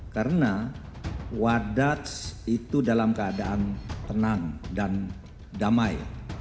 karena wadas itu dalam keadaan tenang dan damai